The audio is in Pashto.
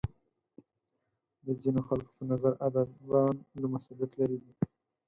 د ځینو خلکو په نظر ادیبان له مسولیت لرې دي.